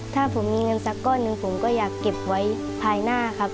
ถ้าผมมีเงินสักก้อนหนึ่งผมก็อยากเก็บไว้ภายหน้าครับ